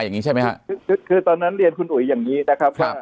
อย่างนี้ใช่ไหมฮะคือคือตอนนั้นเรียนคุณอุ๋ยอย่างนี้นะครับว่า